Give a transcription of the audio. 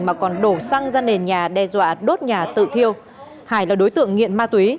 mà còn đổ xăng ra nền nhà đe dọa đốt nhà tự thiêu hải là đối tượng nghiện ma túy